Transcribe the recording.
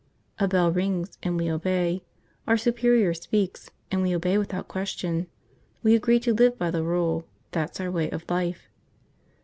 A bell rings and we obey, our superior speaks and we obey without question. We agree to live by the rule, that's our way of life."